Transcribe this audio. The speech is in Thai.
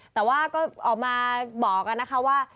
แต่ว่าก็ออกมาบอกกันนะคะว่า